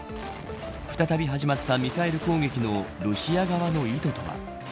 再び始まったミサイル攻撃のロシア側の意図とは。